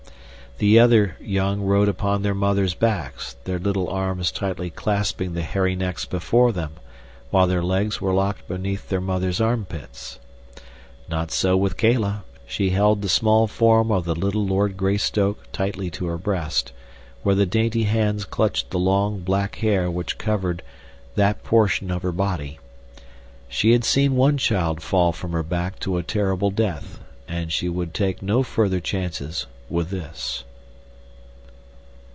The other young rode upon their mothers' backs; their little arms tightly clasping the hairy necks before them, while their legs were locked beneath their mothers' armpits. Not so with Kala; she held the small form of the little Lord Greystoke tightly to her breast, where the dainty hands clutched the long black hair which covered that portion of her body. She had seen one child fall from her back to a terrible death, and she would take no further chances with this.